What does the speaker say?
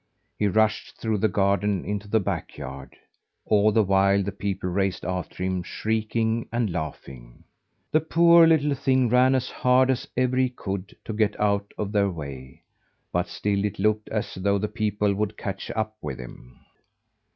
He rushed through the garden into the back yard. All the while the people raced after him, shrieking and laughing. The poor little thing ran as hard as ever he could to get out of their way; but still it looked as though the people would catch up with him.